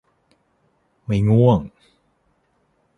ไม่ง่วง